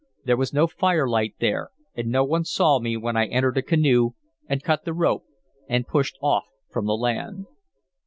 There was no firelight there, and no one saw me when I entered a canoe and cut the rope and pushed off from the land.